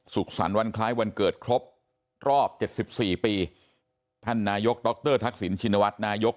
สุขศรรย์วันคล้ายวันเกิดครบรอบ๗๔ปีท่านนายกดรทักษิณชินวัฒนายก